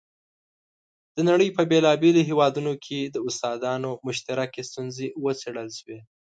د نړۍ په بېلابېلو هېوادونو کې د استادانو مشترکې ستونزې وڅېړل شوې.